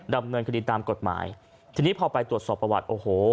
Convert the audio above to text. ดำเนินคดีตามกฎหมายทีนี้พอไปตรวจสอบประวัติโอ้โห